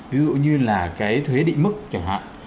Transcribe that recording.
ví dụ như là cái thuế định mức chẳng hạn